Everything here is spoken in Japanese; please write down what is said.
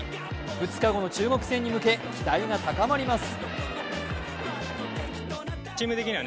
２日後の中国戦に向け期待が高まります。